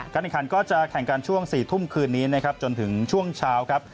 ขันก็จะแข่งกันช่วง๔ทุ่มคืนนี้นะครับจนถึงช่วงเช้าครับ